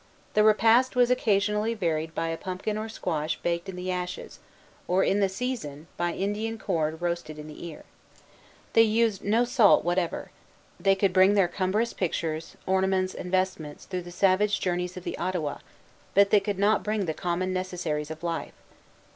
The repast was occasionally varied by a pumpkin or squash baked in the ashes, or, in the season, by Indian corn roasted in the ear. They used no salt whatever. They could bring their cumbrous pictures, ornaments, and vestments through the savage journey of the Ottawa; but they could not bring the common necessaries of life.